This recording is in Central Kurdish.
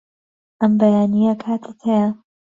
ئەم بەیانییە کاتت هەیە؟